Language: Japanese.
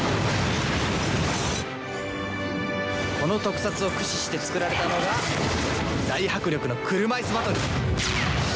この特撮を駆使して作られたのが大迫力の車いすバトル。